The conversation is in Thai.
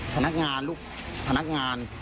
พนักงานลูกพนักงาน